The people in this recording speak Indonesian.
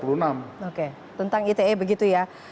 oke tentang ite begitu ya